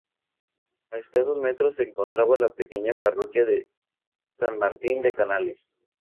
A escasos metros se encontraba la pequeña parroquia de San Martín de Canales.